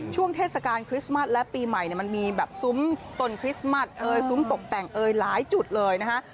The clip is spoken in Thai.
ช่วงเทศกาลคริสต์มัสและปีใหม่มันมีแบบซุ้มต้นคริสต์มัสเอ่ยซุ้มตกแต่งเอ่ยหลายจุดเลยนะฮะ